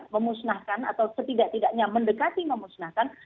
memusnahkan atau setidak tidaknya mendekati memusnahkan